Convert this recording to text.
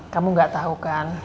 kamu gak tau kan